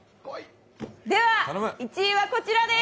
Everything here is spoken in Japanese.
１位はこちらです！